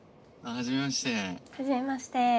はじめまして。